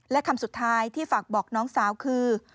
และคำสุดท้ายที่ฝากบอกน้องสาวคือ